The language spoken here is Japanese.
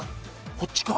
こっちか？